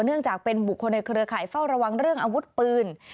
เนื่องจากเป็นบุคคลในเครือข่ายเฝ้าระวังเรื่องอาวุธปืน